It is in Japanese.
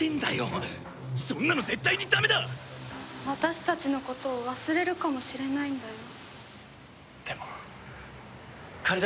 今度変身したら私たちのことを忘れるかもしれないんだよ？